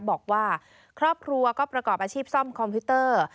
บอกว่าครอบครัวก็ประกอบอาชีพซ่อมคอมพิวเตอร์